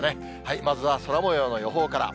まずは空もようの予報から。